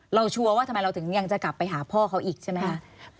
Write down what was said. ชัวร์ว่าทำไมเราถึงยังจะกลับไปหาพ่อเขาอีกใช่ไหมคะ